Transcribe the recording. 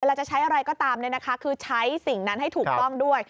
เราจะใช้อะไรก็ตามคือใช้สิ่งนั้นให้ถูกต้องด้วย